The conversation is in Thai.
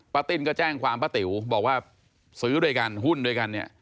ติ้นก็แจ้งความป้าติ๋วบอกว่าซื้อด้วยกันหุ้นด้วยกันเนี่ย